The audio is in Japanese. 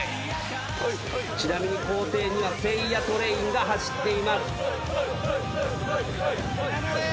ちなみに校庭にはせいやトレインが走っています。